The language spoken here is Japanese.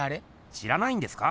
知らないんですか？